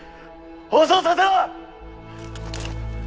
放送させろ！